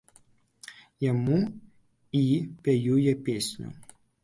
Яму і пяю я песню.